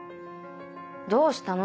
「どうしたの？」